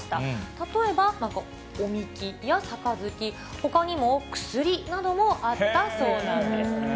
例えばお神酒や盃、ほかにも薬などもあったそうなんです。